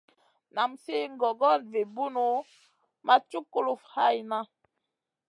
Nan sli gogoda vi bunu ma cuk kulufn hayna.